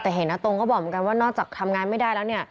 แต่เห็นอาตรงก็บอกเหมือนกันว่านอกจากทำงานไม่ได้แล้วเนี่ย